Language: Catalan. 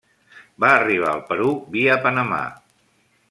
Va arribar al Perú via Panamà.